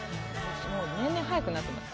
もう年々早くなってます